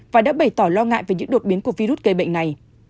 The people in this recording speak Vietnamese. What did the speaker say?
và đã bày tỏ lo ngại về những đột biến của virus gây bệnh này